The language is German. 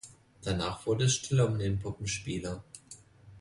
Danach wurde es stiller um den Puppenspieler.